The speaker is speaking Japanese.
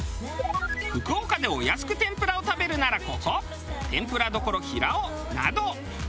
福岡でお安く天ぷらを食べるならここ天麩羅処ひらおなど。